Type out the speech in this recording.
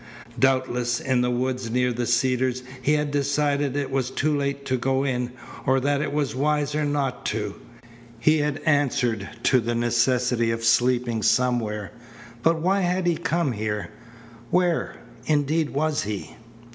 Doubtless in the woods near the Cedars he had decided it was too late to go in, or that it was wiser not to. He had answered to the necessity of sleeping somewhere. But why had he come here? Where, indeed, was he?